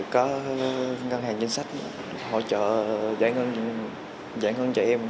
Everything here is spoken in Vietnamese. có ngân hàng chính sách hỗ trợ giải ngân cho em